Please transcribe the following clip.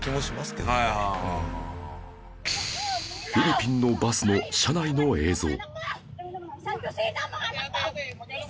フィリピンのバスの車内の映像